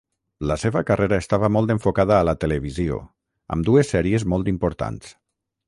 La seva carrera estava molt enfocada a la televisió, amb dues sèries molt importants.